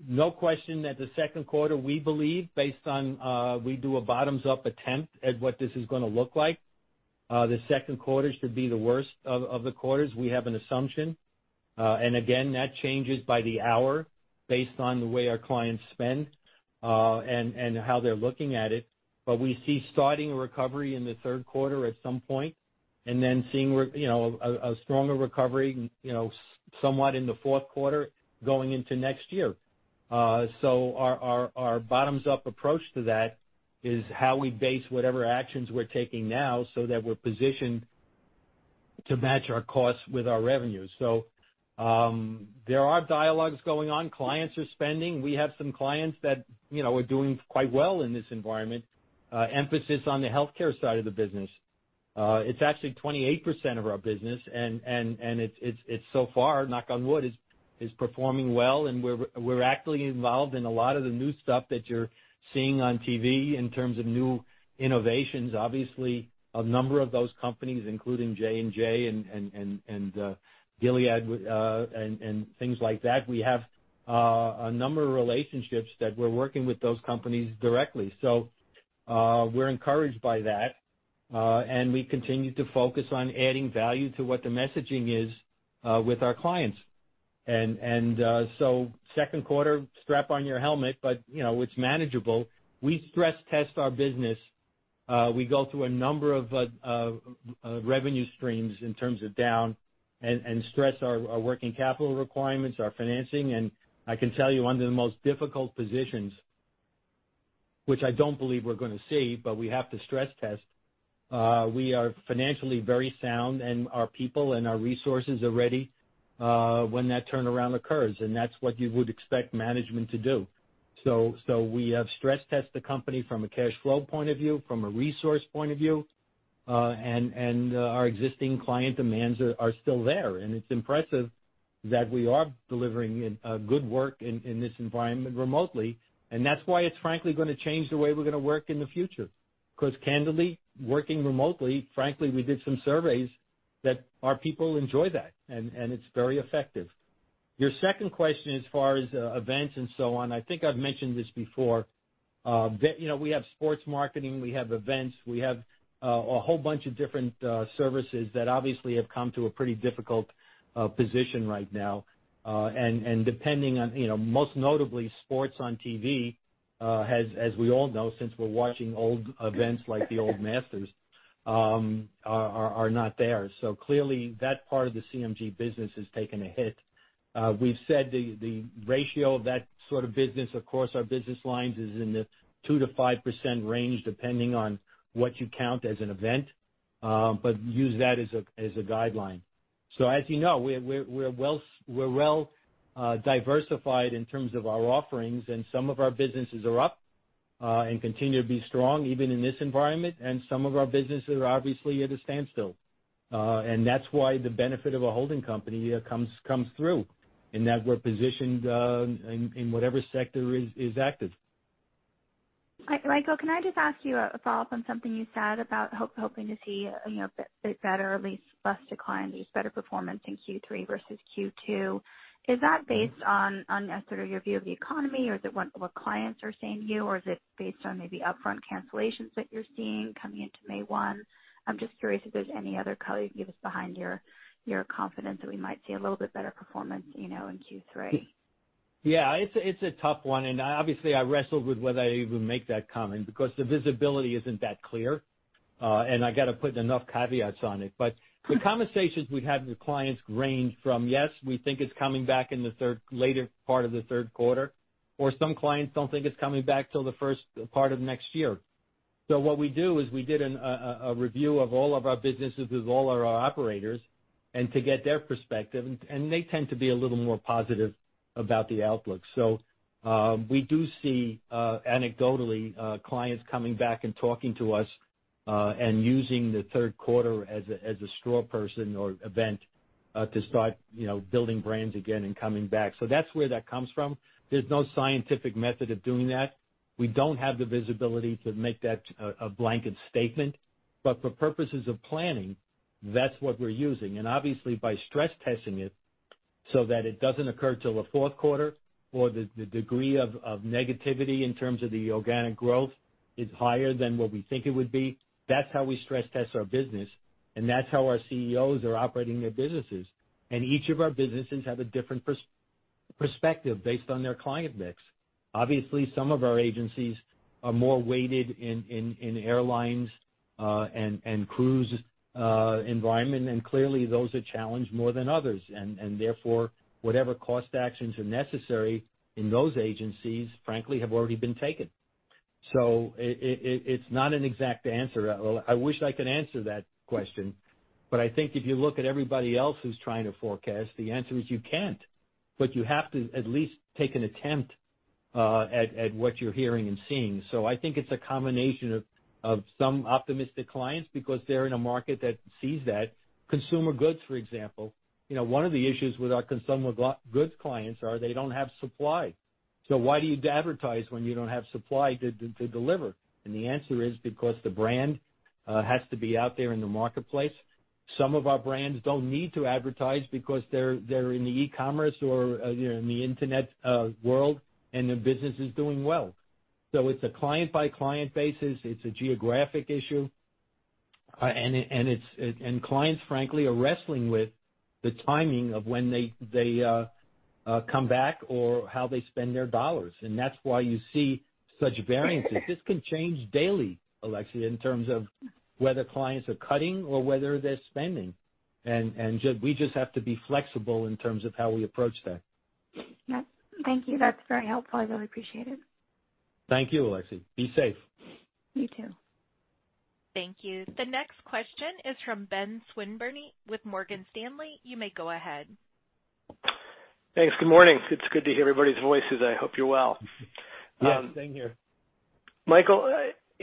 C: no question that the second quarter, we believe, based on we do a bottoms-up attempt at what this is going to look like. The second quarter should be the worst of the quarters. We have an assumption. And again, that changes by the hour based on the way our clients spend and how they're looking at it. But we see starting a recovery in the third quarter at some point and then seeing a stronger recovery somewhat in the fourth quarter going into next year. So our bottoms-up approach to that is how we base whatever actions we're taking now so that we're positioned to match our costs with our revenues. So there are dialogues going on. Clients are spending. We have some clients that are doing quite well in this environment. Emphasis on the healthcare side of the business. It's actually 28% of our business. And it's so far, knock on wood, is performing well. And we're actively involved in a lot of the new stuff that you're seeing on TV in terms of new innovations. Obviously, a number of those companies, including J&J and Gilead and things like that, we have a number of relationships that we're working with those companies directly. So we're encouraged by that. And we continue to focus on adding value to what the messaging is with our clients. And so second quarter, strap on your helmet, but it's manageable. We stress test our business. We go through a number of revenue streams in terms of down and stress our working capital requirements, our financing. And I can tell you under the most difficult positions, which I don't believe we're going to see, but we have to stress test. We are financially very sound, and our people and our resources are ready when that turnaround occurs, and that's what you would expect management to do, so we have stress tested the company from a cash flow point of view, from a resource point of view, and our existing client demands are still there, and it's impressive that we are delivering good work in this environment remotely, and that's why it's frankly going to change the way we're going to work in the future. Because candidly, working remotely, frankly, we did some surveys that our people enjoy that, and it's very effective. Your second question as far as events and so on, I think I've mentioned this before. We have sports marketing. We have events. We have a whole bunch of different services that obviously have come to a pretty difficult position right now. And depending on, most notably, sports on TV, as we all know, since we're watching old events like the old Masters, are not there. So clearly, that part of the CMG business has taken a hit. We've said the ratio of that sort of business across our business lines is in the 2% to 5% range depending on what you count as an event, but use that as a guideline. So as you know, we're well-diversified in terms of our offerings. And some of our businesses are up and continue to be strong even in this environment. And some of our businesses are obviously at a standstill. And that's why the benefit of a holding company comes through in that we're positioned in whatever sector is active.
E: Michael, can I just ask you a follow-up on something you said about hoping to see a bit better, at least less decline, at least better performance in Q3 versus Q2? Is that based on sort of your view of the economy, or is it what clients are saying to you, or is it based on maybe upfront cancellations that you're seeing coming into May 1? I'm just curious if there's any other color you can give us behind your confidence that we might see a little bit better performance in Q3.
C: Yeah. It's a tough one, and obviously, I wrestled with whether I even make that comment because the visibility isn't that clear, and I got to put enough caveats on it. But the conversations we've had with clients range from, yes, we think it's coming back in the later part of the third quarter, or some clients don't think it's coming back till the first part of next year. So what we do is we did a review of all of our businesses with all of our operators to get their perspective. And they tend to be a little more positive about the outlook. So we do see, anecdotally, clients coming back and talking to us and using the third quarter as a straw person or event to start building brands again and coming back. So that's where that comes from. There's no scientific method of doing that. We don't have the visibility to make that a blanket statement. But for purposes of planning, that's what we're using. Obviously, by stress testing it so that it doesn't occur till the fourth quarter or the degree of negativity in terms of the organic growth is higher than what we think it would be, that's how we stress test our business. That's how our CEOs are operating their businesses. Each of our businesses have a different perspective based on their client mix. Obviously, some of our agencies are more weighted in airlines and cruise environment. Clearly, those are challenged more than others. Therefore, whatever cost actions are necessary in those agencies, frankly, have already been taken. It's not an exact answer. I wish I could answer that question. I think if you look at everybody else who's trying to forecast, the answer is you can't. You have to at least take an attempt at what you're hearing and seeing. So I think it's a combination of some optimistic clients because they're in a market that sees that. Consumer goods, for example, one of the issues with our consumer goods clients are they don't have supply. So why do you advertise when you don't have supply to deliver? And the answer is because the brand has to be out there in the marketplace. Some of our brands don't need to advertise because they're in the e-commerce or in the internet world, and their business is doing well. So it's a client-by-client basis. It's a geographic issue. And clients, frankly, are wrestling with the timing of when they come back or how they spend their dollars. And that's why you see such variances. This can change daily, Alexia, in terms of whether clients are cutting or whether they're spending. And we just have to be flexible in terms of how we approach that.
E: Thank you. That's very helpful. I really appreciate it.
C: Thank you, Alexia. Be safe. You too.
A: Thank you. The next question is from Ben Swinburne with Morgan Stanley. You may go ahead.
F: Thanks. Good morning. It's good to hear everybody's voices. I hope you're well.
C: Yeah. Same here.
F: Michael,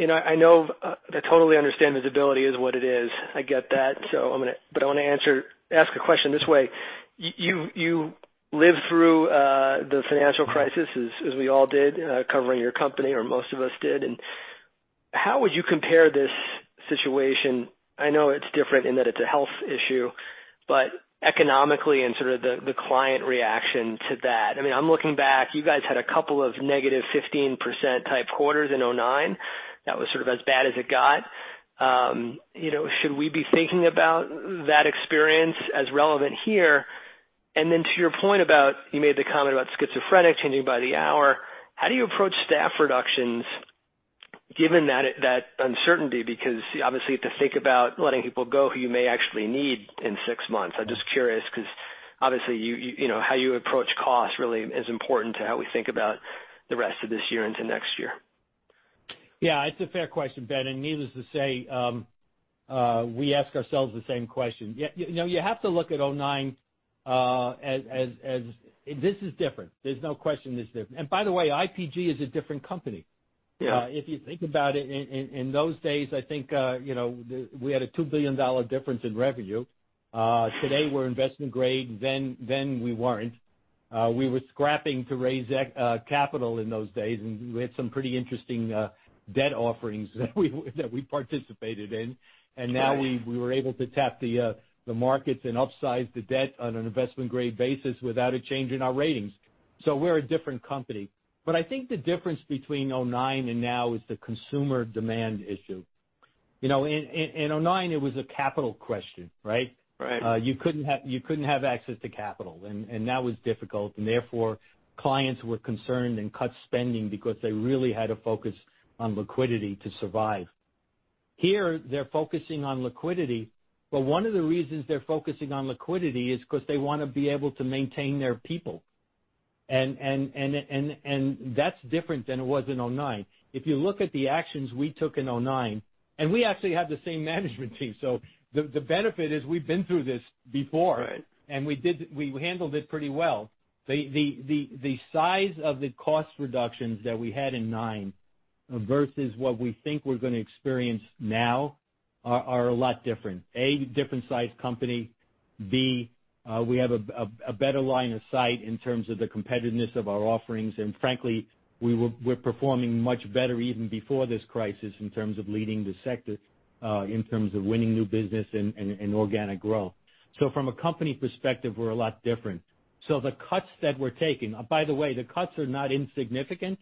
F: I totally understand visibility is what it is. I get that. But I want to ask a question this way. You lived through the financial crisis, as we all did, covering your company, or most of us did. And how would you compare this situation? I know it's different in that it's a health issue, but economically and sort of the client reaction to that. I mean, I'm looking back. You guys had a couple of negative 15% type quarters in 2009. That was sort of as bad as it got. Should we be thinking about that experience as relevant here? And then to your point about you made the comment about schizophrenic changing by the hour, how do you approach staff reductions given that uncertainty? Because obviously, you have to think about letting people go who you may actually need in six months. I'm just curious because obviously, how you approach cost really is important to how we think about the rest of this year into next year.
C: Yeah. It's a fair question, Ben. And needless to say, we ask ourselves the same question. You have to look at 2009 as this is different. There's no question this is different. And by the way, IPG is a different company. If you think about it, in those days, I think we had a $2 billion difference in revenue. Today, we're investment grade. Then we weren't. We were scrapping to raise capital in those days. And we had some pretty interesting debt offerings that we participated in. And now we were able to tap the markets and upsize the debt on an investment-grade basis without a change in our ratings. So we're a different company. But I think the difference between 2009 and now is the consumer demand issue. In 2009, it was a capital question, right? You couldn't have access to capital. And that was difficult. And therefore, clients were concerned and cut spending because they really had to focus on liquidity to survive. Here, they're focusing on liquidity. But one of the reasons they're focusing on liquidity is because they want to be able to maintain their people. And that's different than it was in 2009. If you look at the actions we took in 2009, and we actually have the same management team, so the benefit is we've been through this before and we handled it pretty well. The size of the cost reductions that we had in 2009 versus what we think we're going to experience now are a lot different: A, different-sized company. B, we have a better line of sight in terms of the competitiveness of our offerings, and frankly, we're performing much better even before this crisis in terms of leading the sector, in terms of winning new business and organic growth, so from a company perspective, we're a lot different, so the cuts that we're taking, by the way, the cuts are not insignificant,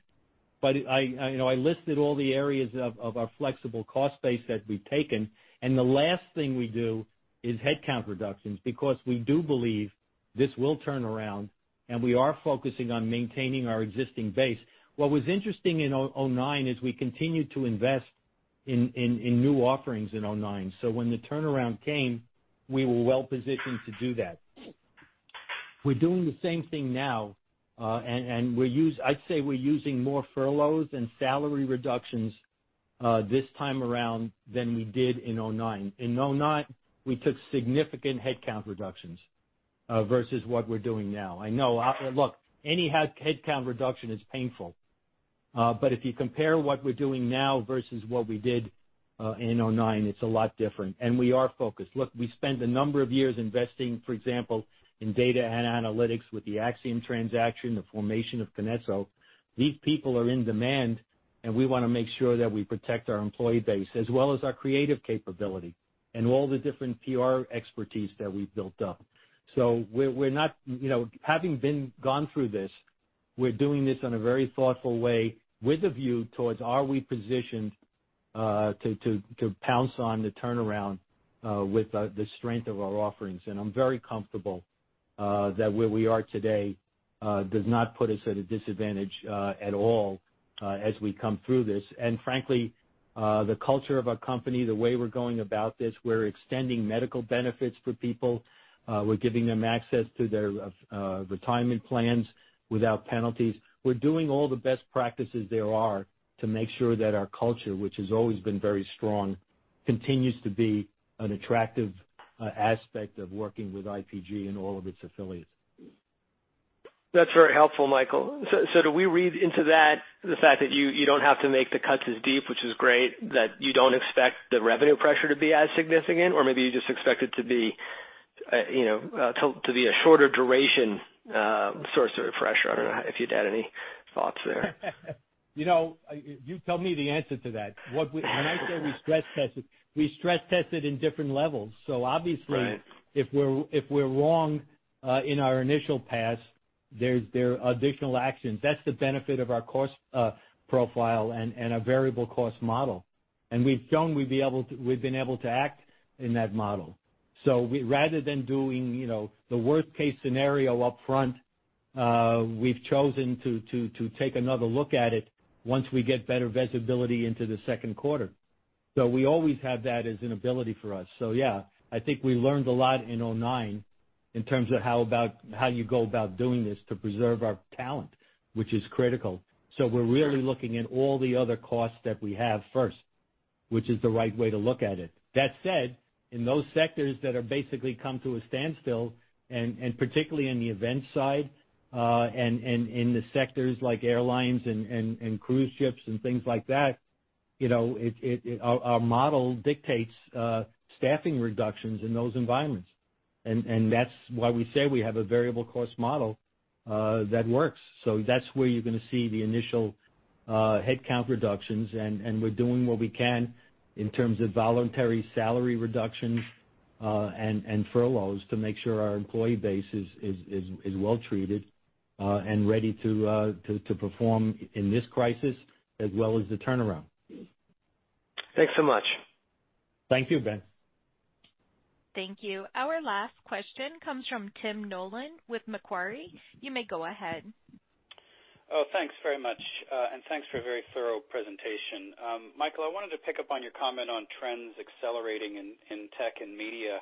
C: but I listed all the areas of our flexible cost base that we've taken. And the last thing we do is headcount reductions because we do believe this will turn around. And we are focusing on maintaining our existing base. What was interesting in 2009 is we continued to invest in new offerings in 2009. So when the turnaround came, we were well-positioned to do that. We're doing the same thing now. And I'd say we're using more furloughs and salary reductions this time around than we did in 2009. In 2009, we took significant headcount reductions versus what we're doing now. I know. Look, any headcount reduction is painful. But if you compare what we're doing now versus what we did in 2009, it's a lot different. And we are focused. Look, we spent a number of years investing, for example, in data and analytics with the Acxiom transaction, the formation of Kinesso. These people are in demand. We want to make sure that we protect our employee base as well as our creative capability and all the different PR expertise that we've built up. Having gone through this, we're doing this in a very thoughtful way with a view towards are we positioned to pounce on the turnaround with the strength of our offerings. I'm very comfortable that where we are today does not put us at a disadvantage at all as we come through this. Frankly, the culture of our company, the way we're going about this, we're extending medical benefits for people. We're giving them access to their retirement plans without penalties. We're doing all the best practices there are to make sure that our culture, which has always been very strong, continues to be an attractive aspect of working with IPG and all of its affiliates.
F: That's very helpful, Michael. So do we read into that the fact that you don't have to make the cuts as deep, which is great, that you don't expect the revenue pressure to be as significant, or maybe you just expect it to be a shorter duration source of pressure? I don't know if you'd add any thoughts there.
C: You tell me the answer to that. When I say we stress test it, we stress test it in different levels. So obviously, if we're wrong in our initial pass, there are additional actions. That's the benefit of our cost profile and our variable cost model. And we've shown we've been able to act in that model. So rather than doing the worst-case scenario upfront, we've chosen to take another look at it once we get better visibility into the second quarter. So we always have that as an ability for us. So yeah, I think we learned a lot in 2009 in terms of how you go about doing this to preserve our talent, which is critical. So we're really looking at all the other costs that we have first, which is the right way to look at it. That said, in those sectors that have basically come to a standstill, and particularly in the events side and in the sectors like airlines and cruise ships and things like that, our model dictates staffing reductions in those environments. And that's why we say we have a variable cost model that works. So that's where you're going to see the initial headcount reductions. And we're doing what we can in terms of voluntary salary reductions and furloughs to make sure our employee base is well-treated and ready to perform in this crisis as well as the turnaround.
F: Thanks so much.
C: Thank you, Ben.
A: Thank you. Our last question comes from Tim Nollen with Macquarie. You may go ahead.
G: Oh, thanks very much. And thanks for a very thorough presentation. Michael, I wanted to pick up on your comment on trends accelerating in tech and media.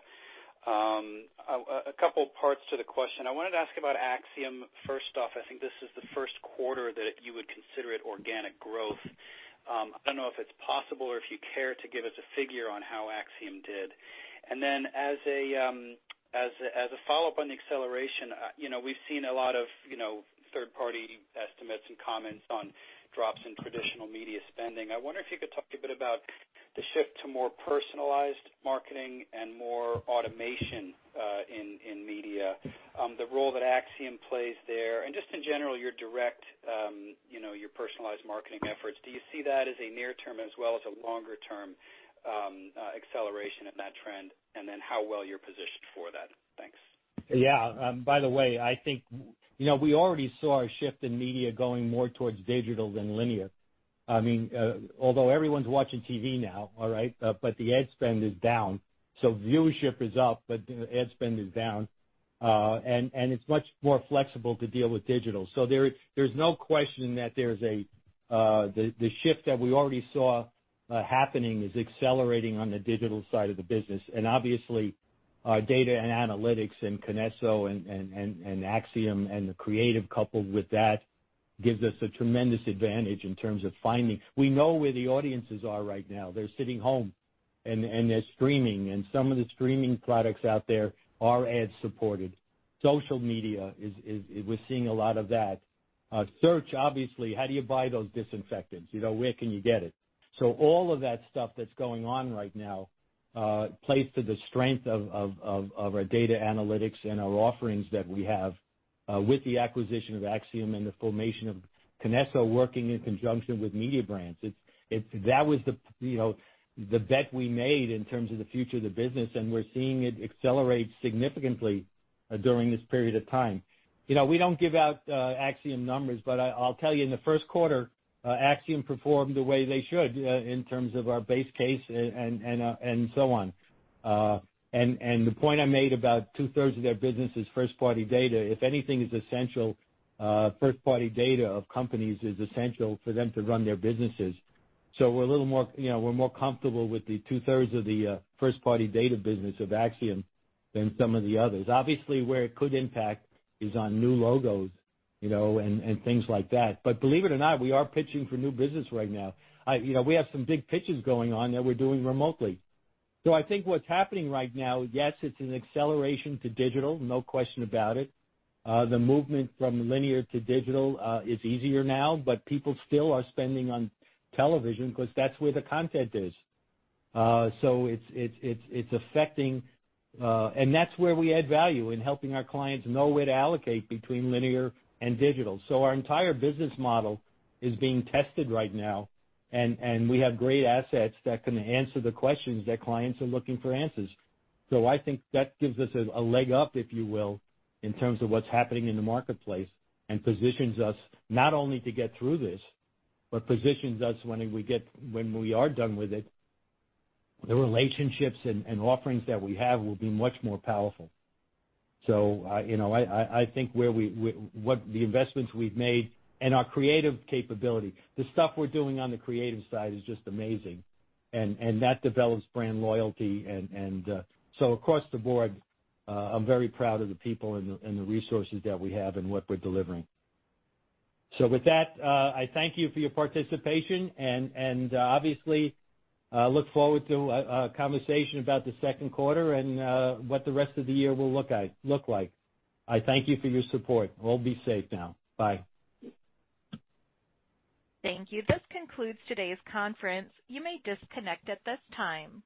G: A couple of parts to the question. I wanted to ask about Acxiom first off. I think this is the first quarter that you would consider it organic growth. I don't know if it's possible or if you care to give us a figure on how Acxiom did. And then as a follow-up on the acceleration, we've seen a lot of third-party estimates and comments on drops in traditional media spending. I wonder if you could talk a bit about the shift to more personalized marketing and more automation in media, the role that Acxiom plays there, and just in general, your personalized marketing efforts. Do you see that as a near-term as well as a longer-term acceleration in that trend? And then how well you're positioned for that? Thanks.
C: Yeah. By the way, I think we already saw a shift in media going more towards digital than linear. I mean, although everyone's watching TV now, all right, but the ad spend is down. So viewership is up, but ad spend is down. And it's much more flexible to deal with digital. So there's no question that there's the shift that we already saw happening is accelerating on the digital side of the business. And obviously, data and analytics and Kinesso, and Acxiom, and the creative coupled with that gives us a tremendous advantage in terms of finding we know where the audiences are right now. They're sitting home, and they're streaming. And some of the streaming products out there are ad-supported. Social media, we're seeing a lot of that. Search, obviously, how do you buy those disinfectants? Where can you get it? So all of that stuff that's going on right now plays to the strength of our data analytics and our offerings that we have with the acquisition of Acxiom and the formation of KINESSO, working in conjunction with media brands. That was the bet we made in terms of the future of the business. And we're seeing it accelerate significantly during this period of time. We don't give out Acxiom numbers, but I'll tell you, in the first quarter, Acxiom performed the way they should in terms of our base case and so on. And the point I made about two-thirds of their business is first-party data. If anything, it's essential. First-party data of companies is essential for them to run their businesses. So we're a little more comfortable with the two-thirds of the first-party data business of Acxiom than some of the others. Obviously, where it could impact is on new logos and things like that. But believe it or not, we are pitching for new business right now. We have some big pitches going on that we're doing remotely. So I think what's happening right now, yes, it's an acceleration to digital, no question about it. The movement from linear to digital is easier now, but people still are spending on television because that's where the content is. So it's affecting. And that's where we add value in helping our clients know where to allocate between linear and digital. So our entire business model is being tested right now. And we have great assets that can answer the questions that clients are looking for answers. So I think that gives us a leg up, if you will, in terms of what's happening in the marketplace and positions us not only to get through this, but positions us when we are done with it. The relationships and offerings that we have will be much more powerful. So I think with the investments we've made and our creative capability, the stuff we're doing on the creative side is just amazing. And that develops brand loyalty. And so across the board, I'm very proud of the people and the resources that we have and what we're delivering. So with that, I thank you for your participation. And obviously, I look forward to a conversation about the second quarter and what the rest of the year will look like. I thank you for your support. All be safe now. Bye.
A: Thank you. This concludes today's conference. You may disconnect at this time.